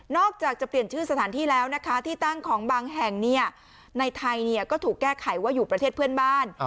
อกจากจะเปลี่ยนชื่อสถานที่แล้วนะคะที่ตั้งของบางแห่งในไทยก็ถูกแก้ไขว่าอยู่ประเทศเพื่อนบ้าน